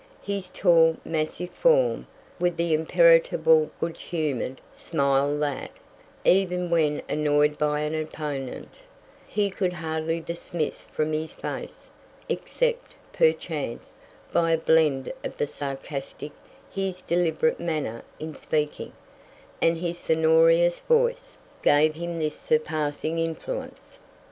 His tall, massive form, with the imperturbable good humored smile that, even when annoyed by an opponent, he could hardly dismiss from his face, except, perchance, by a blend of the sarcastic; his deliberate manner in speaking, and his sonorous voice, gave him this surpassing influence.